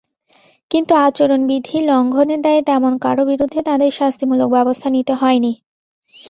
কিন্তু আচরণবিধি লঙ্ঘনের দায়ে তেমন কারও বিরুদ্ধে তাঁদের শাস্তিমূলক ব্যবস্থা নিতে হয়নি।